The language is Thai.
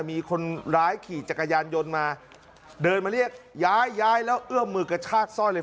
มีคนร้ายขี่จักรยานยนต์มาเดินมาเรียกย้ายย้ายแล้วเอื้อมมือกระชากซ่อนเลย